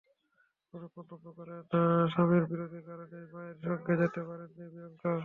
অনেকে মন্তব্য করেন, স্বামীর বিরোধিতার কারণেই মায়ের সঙ্গে যেতে পারেননি প্রিয়াংকা।